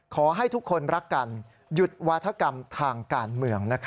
ขอให้ทุกคนรักกันหยุดวาธกรรมทางการเมือง